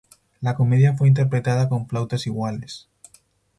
La comedia fue interpretada con flautas iguales.